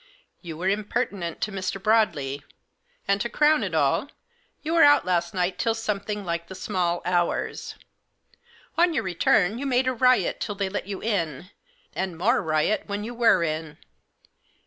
You were impertinent to Mr. Broadley. And, to crown all, you were out last night till something like the small hours. On your return you made a riot till they let you in, and more riot when you were in.